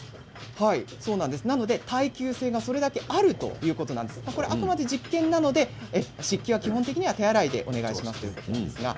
耐久性がそれだけあるということなんですがあくまで実験なので漆器は基本的には手洗いでお願いします。